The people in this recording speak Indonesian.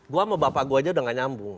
gue sama bapak gue aja udah gak nyambung